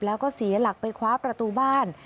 แล้วก็เสียหลักไปคว้าประตูบ้าน